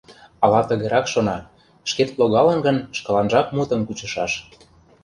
Ала тыгерак шона: шкет логалын гын — шкаланжак мутым кучышаш...